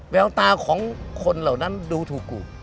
แววตาของคนเหล่านั้นดูถูกกลุ่ม